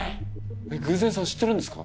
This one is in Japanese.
えっ偶然さん知ってるんですか？